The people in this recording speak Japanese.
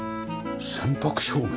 船舶照明？